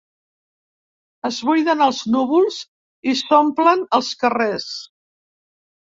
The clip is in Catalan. Es buiden els núvols i s'omplen els carrers.